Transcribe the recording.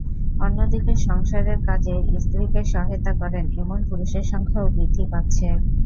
অন্যদিকে, সংসারের কাজে স্ত্রীকে সহায়তা করেন, এমন পুরুষের সংখ্যাও বৃদ্ধি পাচ্ছে।